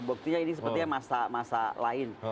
buktinya ini sepertinya masa masa lain